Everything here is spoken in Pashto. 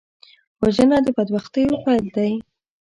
وژنه د بدبختیو پیل دی